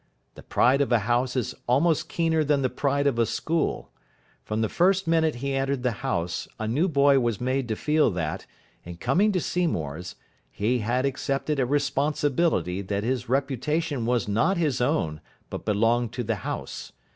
The pride of a house is almost keener than the pride of a school. From the first minute he entered the house a new boy was made to feel that, in coming to Seymour's, he had accepted a responsibility that his reputation was not his own, but belonged to the house.